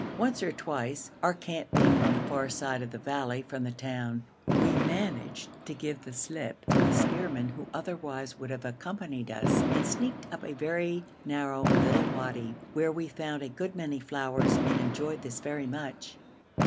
Once or twice, our camp being on the far side of the valley from the town, we managed to give the slip to the spearman who otherwise would have accompanied us, and sneaked up a very narrow little wadi, where we found a good many flowers and enjoyed this very much.